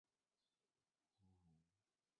国家再一次面临分裂的局势。